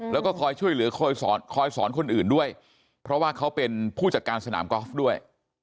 แล้วก็คอยช่วยเหลือคอยสอนคอยสอนคนอื่นด้วยเพราะว่าเขาเป็นผู้จัดการสนามกอล์ฟด้วย